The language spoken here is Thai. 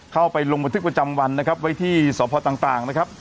ไปลงบันทึกประจำวันนะครับไว้ที่สพต่างนะครับ